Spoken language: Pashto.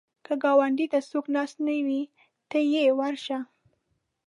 که ګاونډي ته څوک ناست نه وي، ته یې ورشه